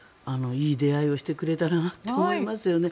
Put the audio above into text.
いい出会いをしてくれたなって思いますよね。